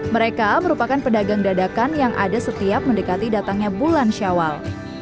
mereka merupakan pedagang dadakan yang ada setiap mendekati datangnya bulan syawal